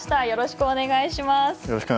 よろしくお願いします。